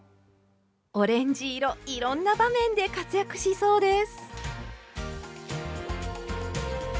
オレンジ色いろんな場面で活躍しそうです。